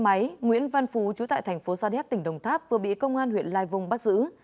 xe máy nguyễn văn phú trú tại thành phố sa đéc tỉnh đồng tháp vừa bị công an huyện lai vung bắt giữ